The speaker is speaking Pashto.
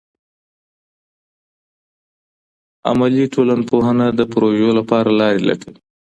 عملي ټولنپوهنه د پروژو لپاره لارې لټوي.